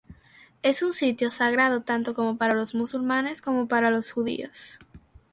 Es un sitio sagrado tanto como para los musulmanes como para los judíos.